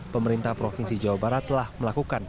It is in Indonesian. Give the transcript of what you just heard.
pemerintah provinsi jawa barat telah melakukan